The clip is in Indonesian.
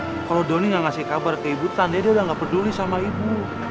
nanti kalau doni gak ngasih kabar ke ibu tanda dia udah gak peduli sama ibu